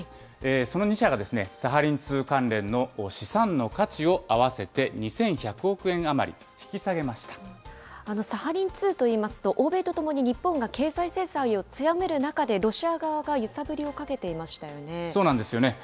その２社がサハリン２関連の資産の価値を合わせて２１００億円余サハリン２といいますと、欧米と共に日本が経済制裁を強める中でロシア側が揺さぶりをかけそうなんですよね。